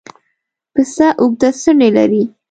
پسه اوږده څڼې لري.